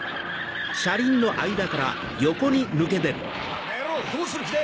バカ野郎どうする気だ！